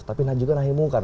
tapi juga nahi mungkar